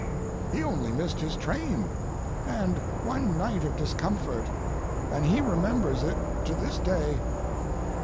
He only missed his train, and one night of discomfort, and he remembers it to this day.